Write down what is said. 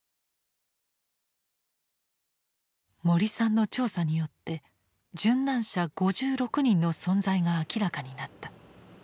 森さんの調査によって殉難者５６人の存在が明らかになった。